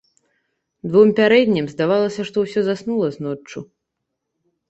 Двум пярэднім здавалася, што ўсё заснула з ноччу.